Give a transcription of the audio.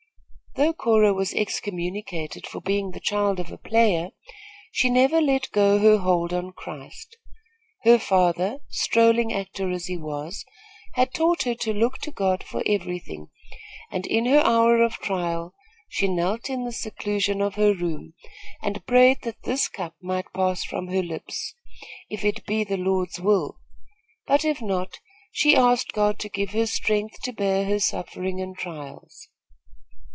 Though Cora was excommunicated for being the child of a player, she never let go her hold on Christ. Her father, strolling actor as he was, had taught her to look to God for everything, and in her hour of trial, she knelt in the seclusion of her own room and prayed that this cup might pass from her lips, if it be the Lord's will; but if not, she asked God to give her strength to bear her suffering and trials.